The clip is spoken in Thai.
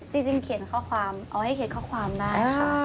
จริงเขียนข้อความเอาให้เขียนข้อความได้ค่ะ